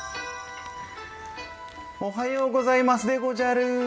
おはようございますでごじゃる。